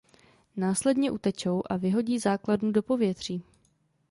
Následně utečou a vyhodí základnu do povětří.